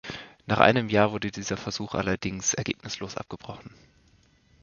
Nach einem Jahr wurde dieser Versuch allerdings ergebnislos abgebrochen.